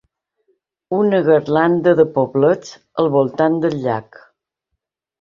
Una garlanda de poblets al voltant del llac.